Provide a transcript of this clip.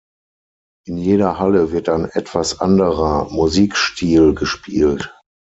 In jeder Halle wird ein etwas anderer Musikstil gespielt.